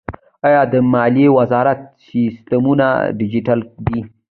آیا د مالیې وزارت سیستمونه ډیجیټل دي؟